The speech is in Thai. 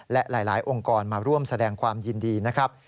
และหลายองค์กรมาร่วมแสดงความยินดีนะครับ